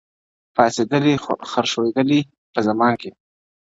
پاڅېدلی خروښېدلی په زمان کي٫